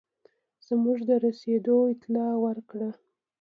زموږ د رسېدلو اطلاع ورکړه.